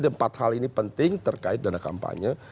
jadi empat hal ini penting terkait dana kampanye